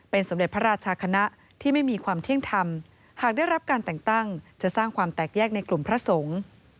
สมเด็จพระราชาคณะที่ไม่มีความเที่ยงธรรมหากได้รับการแต่งตั้งจะสร้างความแตกแยกในกลุ่มพระสงฆ์